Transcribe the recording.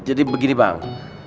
jadi begini bang